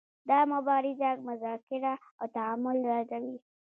دا مبارزه مذاکره او تعامل ردوي.